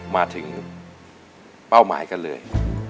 มาถึงเป้าหมายกันเลย